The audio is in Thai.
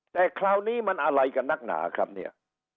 แต่คราวนี้มันอะไรกันนักหนาครับเนี่ย